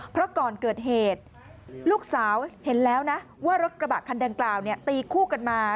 เพราะก่อนเกิดเหตุลูกสาวเห็นแล้วนะว่ารถกระบะคันดังกล่าวตีคู่กันมา